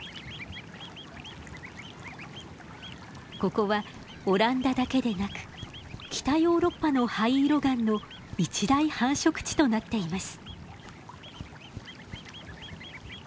ここはオランダだけでなく北ヨーロッパのハイイロガンの一大繁殖地となっています。